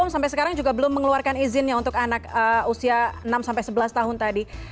sampai sekarang juga belum mengeluarkan izinnya untuk anak usia enam sampai sebelas tahun tadi